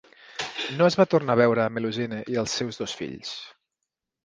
No es va tornar a veure a Melusine i els seus dos fills.